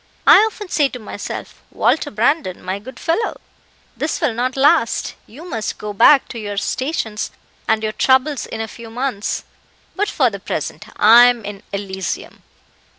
I often say to myself, 'Walter Brandon, my good fellow, this will not last; you must go back to your stations and your troubles in a few months;' but for the present I am in Elysium."